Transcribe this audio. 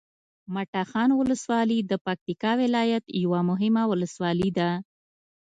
مټاخان ولسوالي د پکتیکا ولایت یوه مهمه ولسوالي ده